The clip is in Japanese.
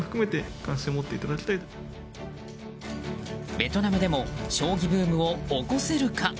ベトナムでも将棋ブームを起こせるか。